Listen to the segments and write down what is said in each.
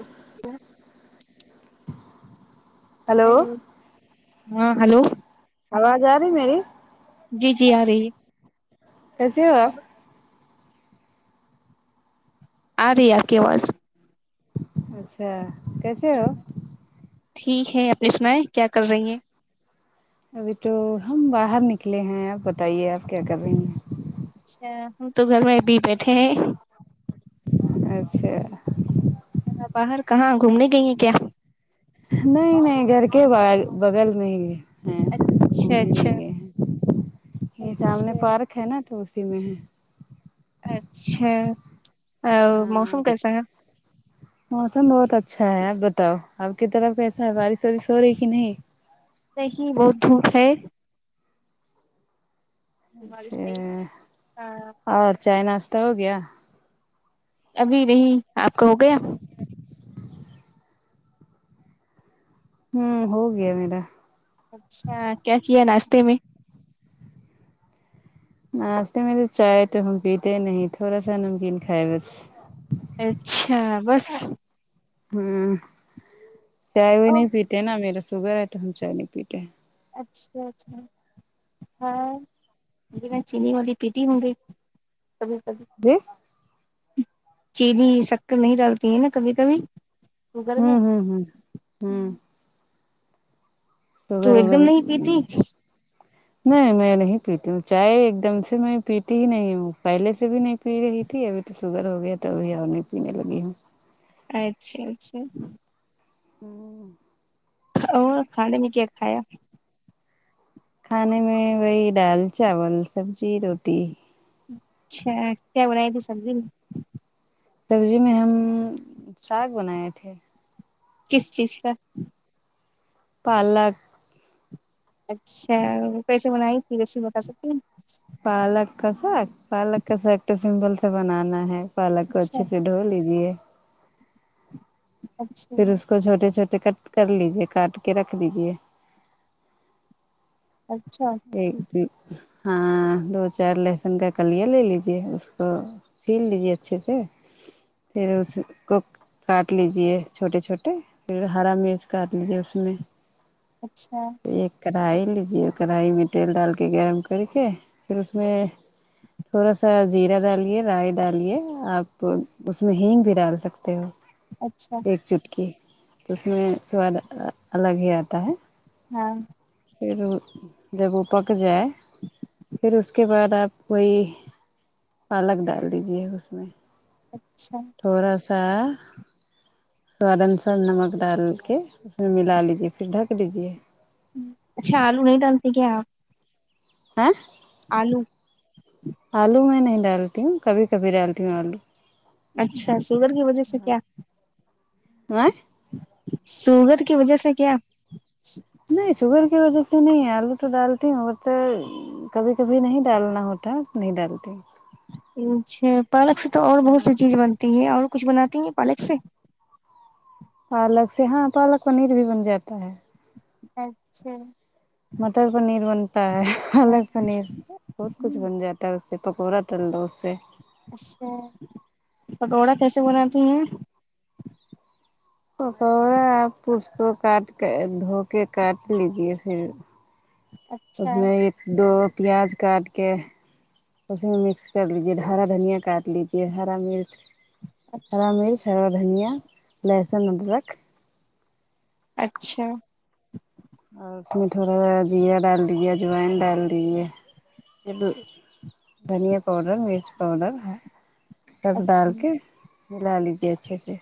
اس hello hello ہاں hello آواز آ رہی میری جی جی آ رہی ہے کیسے ہو اپ اری اپ کی اواز اچھا کیسے ہو ٹھیک ہے اپنی سناے کیا کر رہی ہیں ابھی تو ہم باہر نکلے ہیں آپ بتائیے آپ کیا کریی ہیں اچھا ہم تو گھر میں ابھی بیٹھے ہیں اچھا باہر کہاں گھومنے گئے ہیں کیا نہیں نہیں گھر کے ب بغل میں ہے اچھا اچھا یہ سامنے اچھا پارک ہے نا تو اسی میں ہے اچھا ہاں موسم کیسا ہے موسم بہت اچھا ہے آپ بتاؤ آپ کی طرف کیسا ہے بارش وارش ہو رہی کہ نہیں نہیں ہی بہت دھوپ ہے بارش اچھا نہیں ہاں اور چائ ناشتہ ہو گیا ابھی نہیں آپ کا ہو گیا [inaudible] ہوں ہو گیا میرا اچھا کیا کیا ناشتے میں ناشتے میں تو چائے تو ہم پیتے نہیں تھوڑا سا نمکین کھائے بس اچھا بس ہوں چائے وائے او نہیں پیتے نا میرا سوگر ہے تو ہم چائے نہیں پیتے ہیں اچھا اچھا ہاں بنا چینی والی پیتی ہوں گی کبھی کبھی جی چینی سکر نہیں ڈالتی ہے نا کبھی کبھی شوگر میں ہوں ہوں ہوں ہوں تو سوگر ایک اوگر دم نہیں پیتی نہیں میں نہیں پیتی ہوں چائے ایک دم سے میں پیتی ہی نہیں ہوں پہلے سے بھی نہیں پی رہی تھی ابھی تو شوگر ہو گیا تو ابھی اور نہیں پینے لگی ہوں اچھا اچھا ہوں اور کھانے میں کیا کھایا کھانے میں وہی دال چاول سبزی روٹی اچھا کیا بنائی تھی سبزی میں سبزی میں ہم ساگ بنائے تھے کس چیز کا پالک اچھا وہ کیسے بنائی تھی ریسیپی بتا سکتی ہیں پالک کا ساگ پالک کا ساگ تو سمپل سے بنانا ہے پالک کو اچھا اچھے سے دھو لیجیے پھر اس اچھا کو چھوٹے چھوٹے کٹ کر لیجیے کاٹ کے رکھ دیجیے اچھا ایک ہاں دو چار لہسن کا کلیا لے لیجیے اس کو چھیل لیجیے اچھے سے پھر اس کو کاٹ لیجیے چھوٹے چھوٹے پھر ہرا مرچ کاٹ لیجیے اس میں اچھا ایک کڑھائی لیجیے کڑھائی میں تیل ڈال کے گرم کر کے پھر اس میں تھوڑا سا زیرہ ڈالیے رائی ڈالیے آپ اس میں ہینگ بھی ڈال سکتے ہو اچھا ایک چٹکی تو اس میں سواد الگ ہی آتا ہے ہاں پھر دیکھو پک جائے پھر اس کے بعد آپ کوئی پالک ڈال دیجیے اس میں اچھا تھوڑا سا سواد انسار نمک ڈال کے اس میں ملا لیجیے پھر ڈھک لیجیے اچھا آلو نہیں ڈالتے کیا آپ کیا آلو آلو میں نہیں ڈالتی ہوں کبھی کبھی ڈالتی ہوں آلو اچھا شوگر کی وجہ سے کیا ہے شوگر کی وجہ سے کیا نہیں شوگر کی وجہ سے نہیں ہے آلو تو ڈالتی ہوںگر کبھی کبھی نہیں ڈالنا ہوتا نہیں ڈالتے اچھا پالک سے تو اور بہت سی ہاں چیز بنتی ہے اور کچھ بناتی ہیں پالک سے پالک سے ہاں پالک پنیر بھی بن جاتا ہے اچھا مٹر پنیر بنتا ہے پالک ہاں پنیر بہت کچھ بن جاتا ہے اس سے پکوڑا تل دو اس سے اچھا پکوڑا کیسے بناتی ہیں پکوڑا آپ اس کو کاٹ کے دھو کے کاٹ لیجیے پھر اس اچھا میں ایک دو پیاز کاٹ کے اس میں مکس کر لیجے ہارا دھنیا کاٹ لیجیے ہرا مرچ ہرا اچھا مرچ ہارا دھنیا لہسن ادرک اچھا اور اس میں تھوڑا سا زیرا ڈال دیجے اجوائن ڈال دیجے پھر دھنیا پاؤڈر مرچ پاؤڈر سب ڈال اچھا کے ملا لیجیے اچھے سے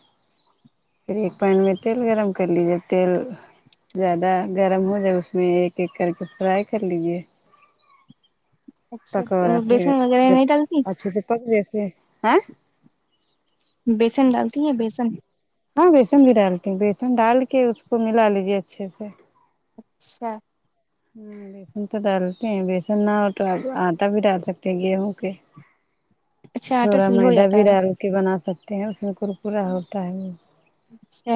پھر ایک پین میں تیل گرم کر لیجیے تیل زیادہ گرم ہو جائے اس میں ایک ایک کر کے فرائی کر لیجیے اچھا پکوڑا اور پھر بیسن وغیرہ جب نہیں ڈالتی اچھے سے پک جایے ہے بیسن ڈالتی ہیں بیسن ہاں بیسن بھی ڈالتی بیسن ڈال کے اس کو ملا لیجیے اچھے سے اچھا بیسن تو ڈالتے ہیں بیسن نہ ہو تو آپ آٹا بھی ڈال سکتے ہیں گیہوں کے اچھا آٹا تھوڑا سے ہو میدا جاتا بھی ہے ڈال کے بنا سکتے ہیں اس میں کر کرا ہوتا ہے اچھا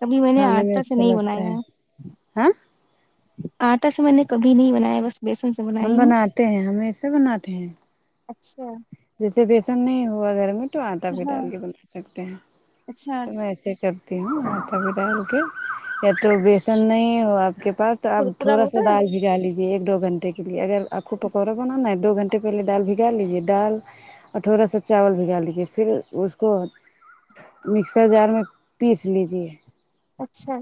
کبھی میں نے کھانے آٹا سے اچھا نہیں لگتا بنایا ہے ہاں آٹا سے میں نے کبھی نہیں بنایا بس بیسن سے بنا ہم بناتے ہیں ہمیشہ بناتے ہیں اچھا جیسے بیسن نہیں ہوا گھر میں تو آٹا بی ہاں ڈال کے بنا سکتے ہیں اچھا تو میں ایسے کر تی ہو آٹا بھی ڈال کے یا تو بیسن نہیں ہو آپ کے پاس تو آپ کرکرا تھوڑا سا ہوتا ہے دال بھی بھگا لیجیے ایک دو گھنٹے کے لیے اگر آپ کو پکوڑا بنانا ہے دو گھنٹے پہلے دال بھگا لیجیے دال کٹھورا سا چاول بھگا دیجیے پھر اس کو مکسر جار میں پیس لیجیے اچھا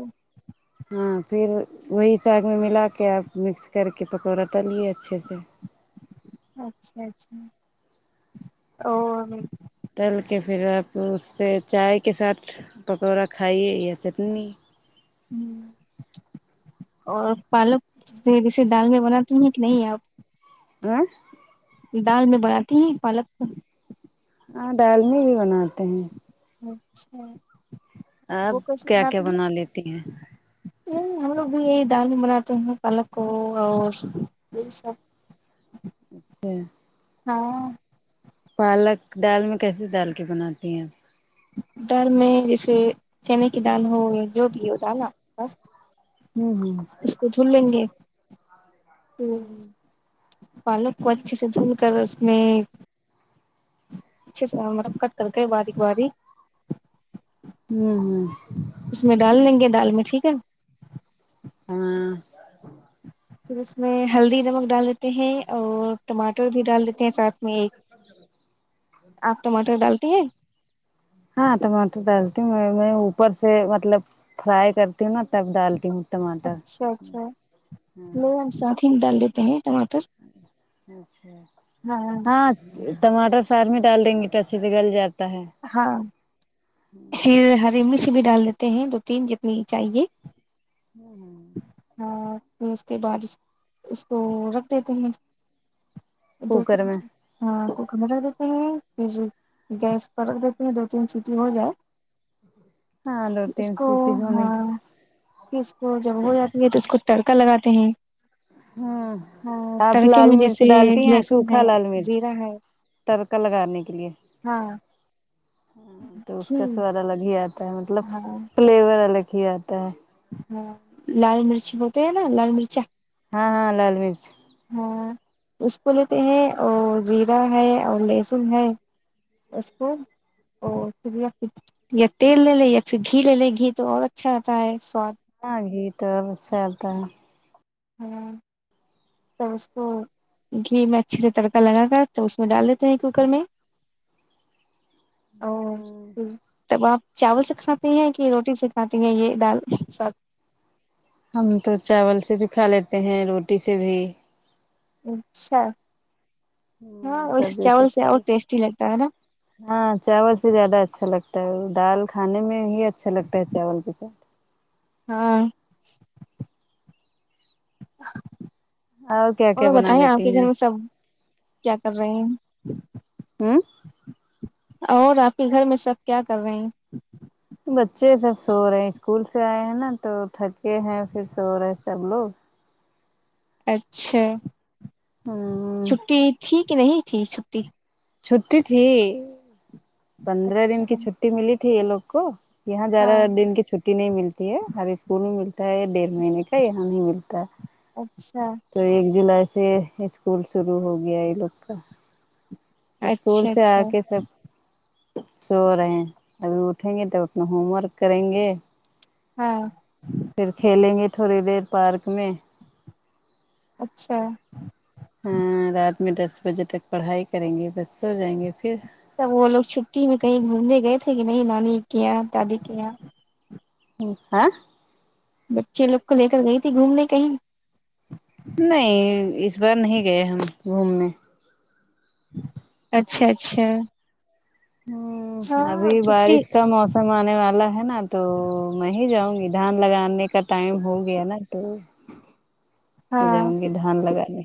ہاں پھر وہی ساگ میں ملا کے آپ مکس کر کے پکوڑا تلیے اچھے سے اچھا اچھا اور تل کے پھر آپ اس سے چائے کے ساتھ پکوڑا کھائیے یا چٹنی ہ اور پالک جیسے دال میں بناتی ہیں کہ نہیں آپ [unintelligible] دال میں بناتی ہیں پالک تو ہاں دال میں بھی بناتے ہیں اچھا آپ وہ کیا کیا بنا لیتی ہیں نہیں ہم لوگ بھی یہی دال بناتے ہیں پالک کو اور یہی سب اچھا ہاں پالک دال میں کیسیے دال کی بناتی ہیں دال میں جیسے چنے کی دال ہویا جو بھی ہو دال آپ بس ہوں ہوں اس کو دھول لیں گے پالک کو اچھے سے دھل کر اس میں اچھے سے مطلب کٹ کر کے باریک باریک ہوں ہوں اس میں ڈال لیں گے دال میں ٹھیک ہے ہاں پھر اس میں ہلدی نمک ڈال دیتے ہیں اور ٹماٹر بھی ڈال دیتے ہیں ساتھ میں ایک آپ ٹماٹر ڈالتے ہیں ہاں ٹماٹر ڈالتی ہوں میں میں اوپر سے مطلب فرائی کرتی ہوں نا تب ڈالتی ہوں ٹماٹر اچھا اچھا ہاں ہملوگ ساتھ ہی ڈال دیتے ہیں ٹماٹر اچھا ہاں ٹماٹر ساتھ میں ڈال دیں گے تو اچھے سے گل جاتا ہے ہاں پھر ہری مرچ بھی ڈال دیتے ہیں دو تین جتنی چاہیے ہوں ہاں پھر اس کے بعد اس کو رکھ دیتے ہیں دو کوکر تین میں ہاں کوکر میں گر دیتے ہیں پھر گیس پرکھ دیتی ہیں دو تین سیٹی ہو جائے ہاں دو اس تین کو سیٹی ہونے ہاں کی کہ اس کو جب ہو جاتی ہے تو اس کو تڑکا لگاتے ہیں ہاں ہاں آپ تڑکے لال میں مرچ جیسے ڈالتی ہیں لہسن سوکھا ہے لال مرچ زیرہ ہے تڑکا لگانے کے لیے ہاں تو اس کا سواد الگ ہی آتا ہے مطلب ہاں فلیور الگ ہی آتا ہے ہاں لال مرچ ہوتے ہیں نا لال مرچا ہاں ہاں لال مرچ ہاں اس کو لیتے ہیں اور زیرہ ہے اور لہسن ہے اس کو اور پھر یا پھر یا تیل لے لیں یا پھر گھی لے لیں گھی تو اور اچھا آتا ہے سواد ہاں گھی اور سد ہوں تب اس کو گھی میں اچھے سے تڑکا لگا کر توب اس میں ڈال دیتے ہیں کوکر میں اور تب آپ چاول سے کھاتی ہیں کہ روٹی سے کھاتی ہیں یہ دال سب ہم تو چاول سے بھی کھا لیتے ہیں روٹی سے بھی اچھا ہاں ہوں ویسے سبزی چاول سے اور کھالی ٹیسٹی لگتا ہے نا ہاں چاول سے زیادہ اچھا لگتا ہے دال کھانے میں ہی اچھا لگتا ہے چاول کے ساتھ ہاں کیا کیا اور بنا بتائیں آپ کے لیتی گھر ہیں میں سب کیا کر رہے ہیں ہوں اور آپ کے گھر میں سب کیا کر رہے ہیں بچے سب سو رہے ہیں اسکول سے آئے ہیں نا تو تھکے ہیں پھر سو رہے سب لوگ اچھا ہاں چھٹی تھی کہ نہیں تھی چھٹی چھٹی تھی پندرہ دن اچھا کی چھٹی ملی تھی یہ لوگ کو یہاں زیادہ ہاں ایک دن کی چھٹی نہیں ملتی ہر اسکول میں ملتا ہے ڈیڑھ مہینے کا یہاں نہیں ملتا ہے اچھا تو ایک جولائی سے اسکول شروع ہو گیا یہ لوگ کا اسکول اچھا سے آ اچھا کے سب سو رہے ہیں ابھی اٹھیں گے تب اپنا ہوم ورک کریں گے ہاں پھر کھیلیں گے تھوڑی دیر پارک میں اچھا رات میں دس بجے تک پڑھائی کریں گے بس سو جائیں گے پھر تب وہ لوگ چھٹی میں کہیں گھومنے گئے تھے کہ نہیں نانی کے یہاں دادی کے یہاں ہاں بچے لوگ کو لے کر گئی تھی گھومنے کہیں نہیں اس بار نہیں گئے ہم گھومنے اچھا اچھا ھمم ہاں ابھی چھٹی بارش کا موسم آنے والا ہے نا تو میں ہی جاؤںگی دھان لگانے کا ٹائم ہو گیا نا تو تو ہاں جاؤں گی دھان لگا نے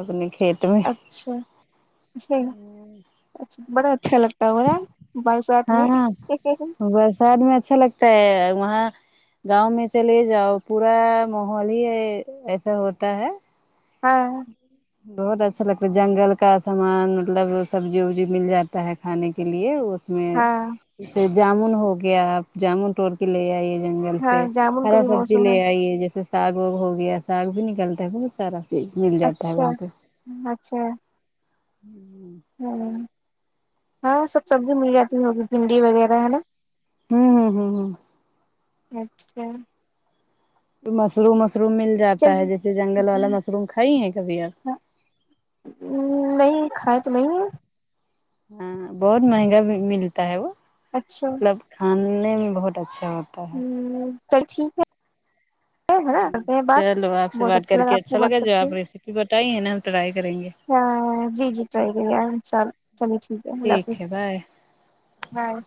اپنے کھیت میں اچھاصحیح ہے اچھا بڑا اچھا لگتا ہوگا نہ بارش ہاں ہاں برسات میں اچھا لگتا ہے وہاں گاؤں میں چلے جاؤ پورا ماحول ہی ایسا ہوتا ہے ہاں بہت اچھا لگتا ہے جنگل کا سامان مطلب سبزی وبزی مل جاتا ہے کھانے کے لیے وہ میں ہاں جے جامن ہو گیا آپ جامن توڑ لے کے آئیے جنگل ہاں سے جامن کا ہرا بھی سبزی موسم ہے لے آئیے جیسے ساگ وگ ہو گیا ساگ بھی نکلتا ہے بہت سارا پھر اچھا اچھا ھممم ھمم ہاں سب سبزی مل جاتی ہو گی منڈی وغیرہ ہے نا ھممم ھمم ھمم اچھا مشروم وشروم مل چل جاتا ہے جیسے جنگل والا مشروم کھائی ہیں کبھی آپ نہیں کھائے تو نہیں ہے ھمم بہت مہنگا بھی ملتا ہے وہ اچھا مطلب کھانے میں بہت اچھا ہوتا ہے ہوں تو ٹھیک ہے ہے نا ہ کرتے ہیں بات چلو آپ سے بہت بات کر کے آپ سے اچھا لگا بات کر جو کے آپ ریسیپی بتائی ہیں نا ہم ٹرائی کریں گے ہاں جی جی ٹرائی کریے ان شا چلیے ٹھیک ہے اللہ حافظ ہے بائے بائے